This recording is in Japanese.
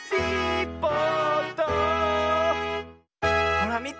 ほらみて。